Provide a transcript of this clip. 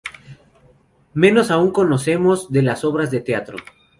Menos aún conocemos de las obras de teatro.